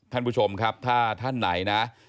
ท่านผู้ชมครับถ้าท่านไหนนะ